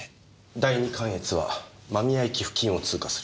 第二関越は間宮駅付近を通過する。